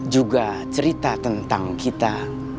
juga cerita tentang kita